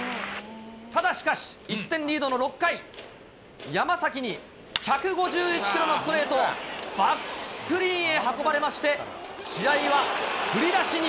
ただしかし、１点リードの６回、山崎に１５１キロのストレートをバックスクリーンへ運ばれまして、試合は振り出しに。